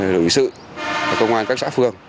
đội ủy sự công an các xã phường